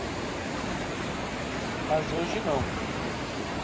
Mas hoje não.